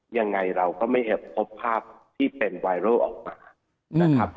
ยังไงเราก็ไม่เห็นพบภาพที่เป็นไวรัลออกมา